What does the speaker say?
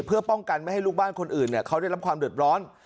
เพื่อป้องกันไม่ให้ลูกบ้านคนอื่นเขาได้รับความเดือดร้อน